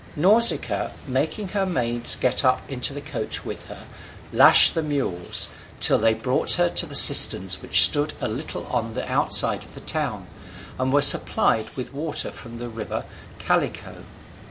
Nausicaa, making her maids get up into the coach with her, lashed the mules, till they brought her to the cisterns which stood a little on the outside of the town, and were supplied with water from the river Callicoe.